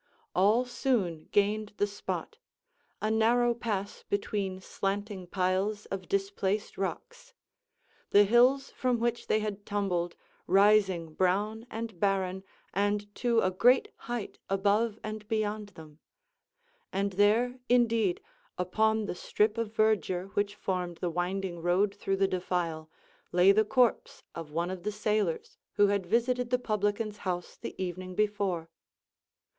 All soon gained the spot, a narrow pass between slanting piles of displaced rocks; the hills from which they had tumbled rising brown and barren and to a great height above and beyond them. And there, indeed, upon the strip of verdure which formed the winding road through the defile, lay the corpse of one of the sailors who had visited the publican's house the evening before.